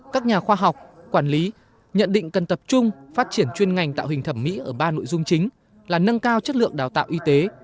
các nhà khoa học quản lý nhận định cần tập trung phát triển chuyên ngành tạo hình thẩm mỹ ở ba nội dung chính là nâng cao chất lượng đào tạo y tế